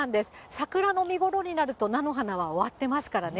桜の見頃になると、菜の花は終わってますからね。